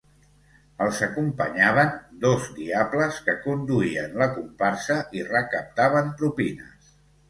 Els acompanyaven dos diables, que conduïen la comparsa i recaptaven propines.